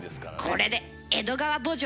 これで「江戸川慕情」